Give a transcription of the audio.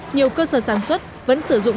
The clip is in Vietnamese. nhiều cơ sở sản xuất vẫn sử dụng